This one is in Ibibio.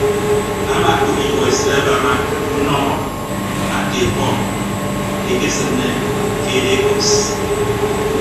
Amaakop iduọesịt abaña unọmọ ake bọmb ekesiine ke dekọs.